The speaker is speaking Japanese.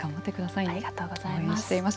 ありがとうございます。